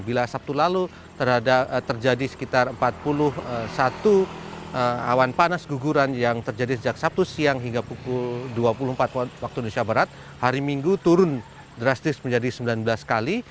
bila sabtu lalu terjadi sekitar empat puluh satu awan panas guguran yang terjadi sejak sabtu siang hingga pukul dua puluh empat waktu indonesia barat hari minggu turun drastis menjadi sembilan belas kali